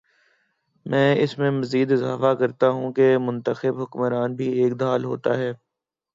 میں اس میں مزید اضافہ کرتا ہوں کہ منتخب حکمران بھی ایک ڈھال ہوتا ہے۔